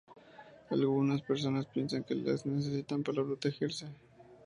Algunas personas piensan que las necesitan para protegerse.